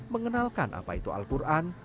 mengenalkan apa itu al quran